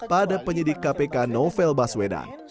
pada penyidik kpk novel baswedan